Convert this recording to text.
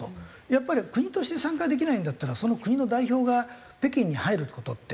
やっぱり国として参加できないんだったらその国の代表が北京に入る事っておかしい話なんですよね。